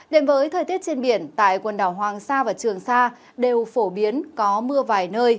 đến với thời tiết trên biển tại quần đảo hoàng sa và trường sa đều phổ biến có mưa vài nơi